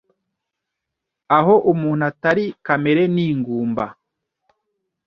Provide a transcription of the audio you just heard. Aho umuntu atari kamere ni ingumba